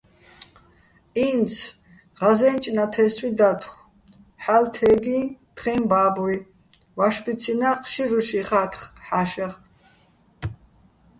ი́ნც ღაზე́ნჭ ნათე́სვი დათხო̆, ჰ̦ალო̆ თე́გიჼ თხეჼ ბა́ბუჲ, ვაშბიცინა́ ჴშირუშ იხათხ ჰ̦ა́შეღ.